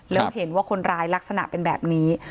แล้วเห็นว่าคนร้ายลักษณะเป็นแบบนี้